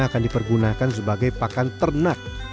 akan dipergunakan sebagai pakan ternak